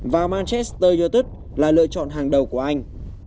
và manchester youtub là lựa chọn hàng đầu của anh